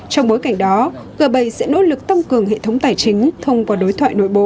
trong bối cảnh đó g bảy sẽ nỗ lực tăng cường hệ thống tài chính thông qua đối thoại nội bộ